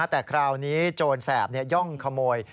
แต่คราวนี้โจรแสบย่องขโมย